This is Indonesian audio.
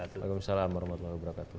wa'alaikumsalam warahmatullahi wabarakatuh